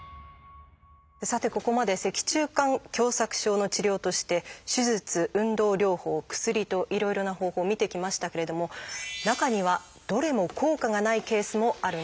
さてここまで脊柱管狭窄症の治療として手術運動療法薬といろいろな方法見てきましたけれども中にはどれも効果がないケースもあるんです。